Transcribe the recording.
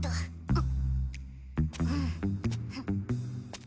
あっ！